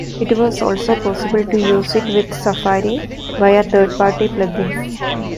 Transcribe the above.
It was also possible to use it with Safari via third-party plug-ins.